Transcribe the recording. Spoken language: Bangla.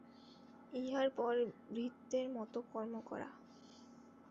ইহার পর ভৃত্যের মত কর্ম করা।